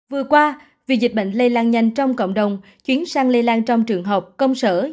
vừa qua vì dịch bệnh lây lan nhanh trong cộng đồng chuyển sang lây lan trong trường học công sở